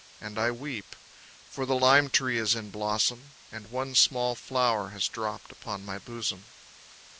And I weep; For the lime tree is in blossom And one small flower has dropped upon my bosom.